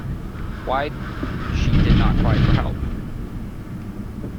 Why she did not cry for help?